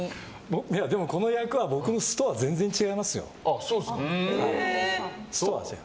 でもこの役は僕の素とは全然違いますよ。